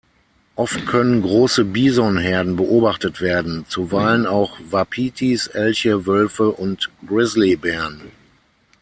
Oft können große Bison-Herden beobachtet werden, zuweilen auch Wapitis, Elche, Wölfe und Grizzlybären.